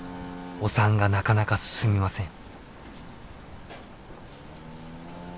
お産がなかなか進みません。